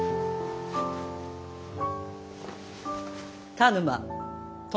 田沼主殿